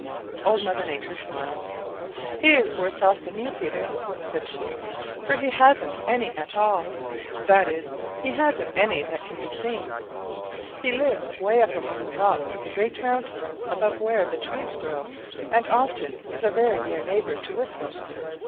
Old Mother Nature smiled. "He is worse off than you, Peter," said she, "for he hasn't any at all. That is, he hasn't any that can be seen. He lives way up among the rocks of the great mountains above where the trees grow and often is a very near neighbor to Whistler."